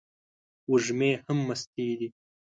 وږمې هم مستې دي